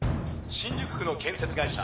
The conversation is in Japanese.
「新宿区の建設会社